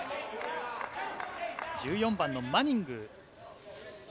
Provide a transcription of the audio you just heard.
１４番のマニング。